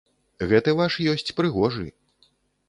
Гэты ваш ёсць прыгожы.